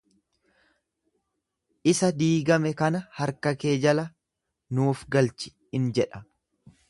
Isa diigame kana harka kee jala nuuf galchi in jedha.